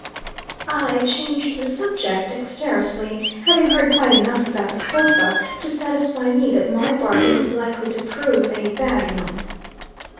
I changed the subject, dexterously, having heard quite enough about the sofa to satisfy me that my bargain was likely to prove a bad one.